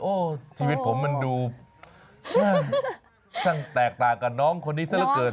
โอ้โหชีวิตผมมันดูช่างแตกต่างกับน้องคนนี้ซะละเกิน